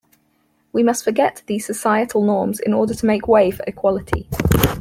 We must forget these societal norms in order to make way for equality.